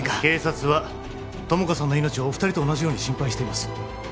警察は友果さんの命をお二人と同じように心配してます